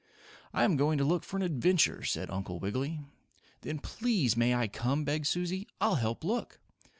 "I am going to look for an adventure," said Uncle Wiggily. "Then, please, may I come?" begged Susie. "I'll help look."